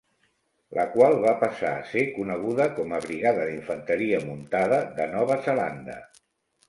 La qual va passar a ser coneguda com a Brigada d'Infanteria Muntada de Nova Zelanda.